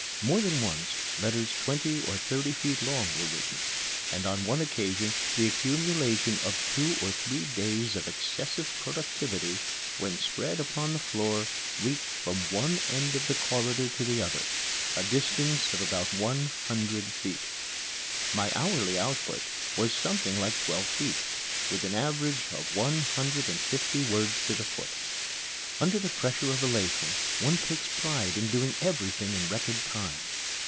More than once letters twenty or thirty feet long were written; and on one occasion the accumulation of two or three days of excessive productivity, when spread upon the floor, reached from one end of the corridor to the other a distance of about one hundred feet. My hourly output was something like twelve feet, with an average of one hundred and fifty words to the foot. Under the pressure of elation one takes pride in doing everything in record time.